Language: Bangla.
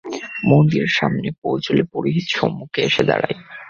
মন্দিরের সামনে পৌঁছলে পুরোহিত সম্মুখে এসে দাঁড়ায়।